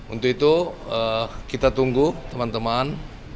untuk itu kita tunggu teman teman